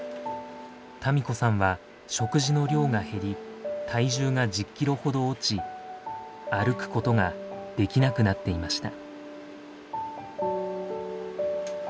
多美子さんは食事の量が減り体重が１０キロほど落ち歩くことができなくなっていました。